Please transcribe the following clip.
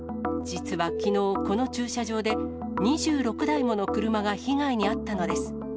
実はきのう、この駐車場で、２６台もの車が被害に遭ったのです。